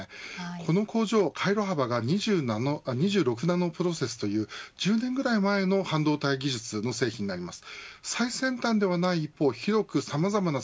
この工場、回路幅が２６ナノプロセスという１６年前の半導体技術になります。